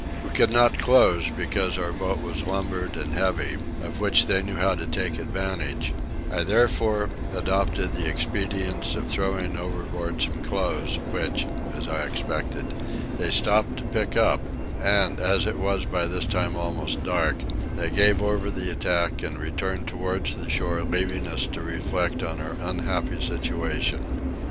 We could not close because our boat was lumbered and heavy, of which they knew how to take advantage: I therefore adopted the expedient of throwing overboard some clothes which, as I expected, they stopped to pick up and, as it was by this time almost dark, they gave over the attack and returned towards the shore leaving us to reflect on our unhappy situation.